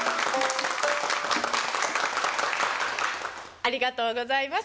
ありがとうございます。